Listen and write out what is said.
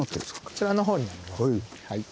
こちらの方になります。